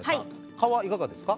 蚊はいかがですか？